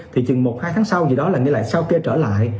thì chừng một hai tháng sau gì đó là nghĩa lại sau kê trở lại